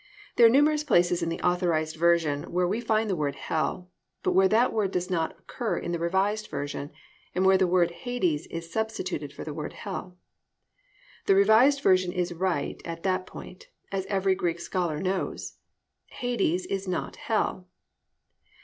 There are numerous places in the Authorised Version where we find the word "Hell" but where that word does not occur in the Revised Version, and where the word "Hades" is substituted for the word "Hell." The Revised Version is right at that point, as every Greek scholar knows. Hades is not Hell.